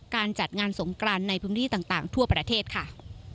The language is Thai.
การจัดงานสงกรานในพื้นที่ต่างทั่วประเทศค่ะ